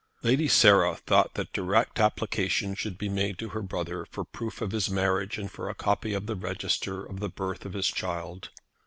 Lady Sarah thought that direct application should be made to her brother for proof of his marriage and for a copy of the register of the birth of his child.